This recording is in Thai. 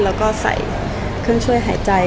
แล้วก็ใส่เครื่องช่วยหายใจ